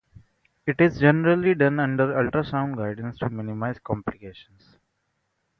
It is generally done under ultrasound guidance, to minimize complications.